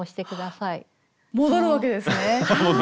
戻るわけですね。